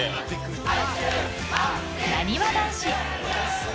［なにわ男子］